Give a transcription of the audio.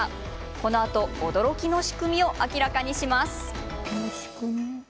このあと驚きの仕組みを明らかにします。